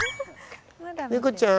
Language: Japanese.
猫ちゃん。